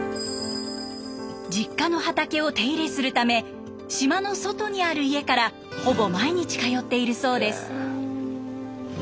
実家の畑を手入れするため島の外にある家からほぼ毎日通っているそうです。